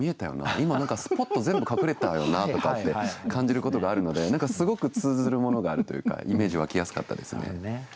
今何かスポッと全部隠れたよなとかって感じることがあるのですごく通ずるものがあるというかイメージ湧きやすかったですね。